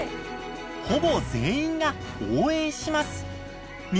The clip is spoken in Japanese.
ほぼ全員が「応援します」。